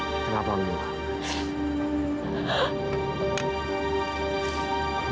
kakak bangun mila